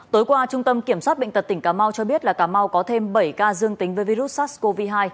tối qua trung tâm kiểm soát bệnh tật tỉnh cà mau cho biết là cà mau có thêm bảy ca dương tính với virus sars cov hai